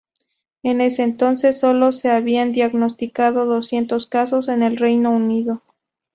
En ese entonces, solo se habían diagnosticado doscientos casos en el Reino Unido.